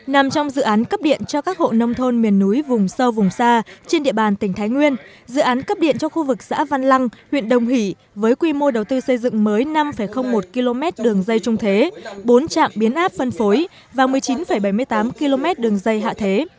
nằm trong dự án cấp điện cho các hộ nông thôn miền núi vùng sâu vùng xa trên địa bàn tỉnh thái nguyên dự án cấp điện cho khu vực xã văn lăng huyện đồng hỷ với quy mô đầu tư xây dựng mới năm một km đường dây trung thế bốn trạm biến áp phân phối và một mươi chín bảy mươi tám km đường dây hạ thế